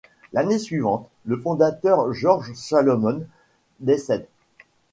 L'année suivante, le fondateur Georges Salomon décède.